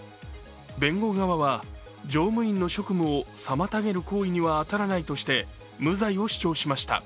弁護側は、乗務員の職務を妨げる行為には当たらないとして、無罪を主張しました。